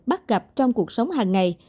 bắt gặp trong cuộc sống hàng ngày